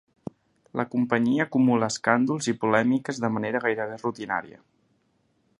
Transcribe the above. La companyia acumula escàndols i polèmiques de manera gairebé rutinària.